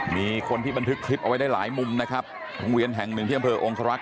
มีคนที่บันทึกคลิปเอาไว้ได้หลายมุมนะครับโรงเรียนแห่งหนึ่งที่อำเภอองคลักษ